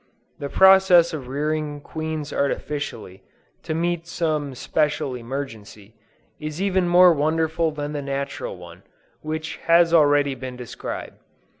The process of rearing queens artificially, to meet some special emergency, is even more wonderful than the natural one, which has already been described.